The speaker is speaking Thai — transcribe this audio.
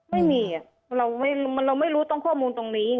ไม่มีเราไม่รู้ต้องข้อมูลตรงนี้